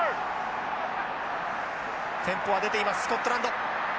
テンポは出ていますスコットランド。